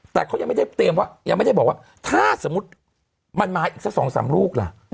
แต่เขายังไม่ได้เตรียมว่ายังไม่ได้บอกว่าถ้าสมมุติมันมาอีกสัก๒๓ลูกล่ะ